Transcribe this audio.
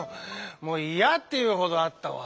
もう嫌っていうほどあったわ。